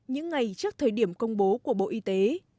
những ngày trước thời điểm công bố của bộ y tế